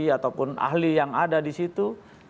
ataupun ahli yang ada di situ